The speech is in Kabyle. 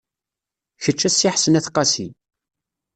Kečč a Si Ḥsen At Qasi.